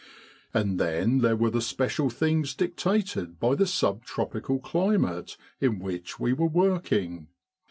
And then there were the special things dictated by the sub tropical cli mate in which we were working.